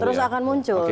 terus akan muncul